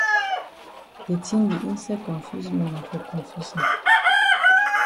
De tin di instead confuse me na for confuse am.